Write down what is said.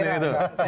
saya kira tidak akan